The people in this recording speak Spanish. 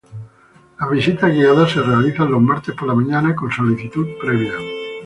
Las visitas guiadas se realizan los martes por la mañana con solicitud previa.